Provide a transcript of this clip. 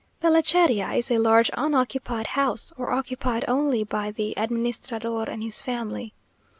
The Lecheria is a large unoccupied house, or occupied only by the administrador and his family.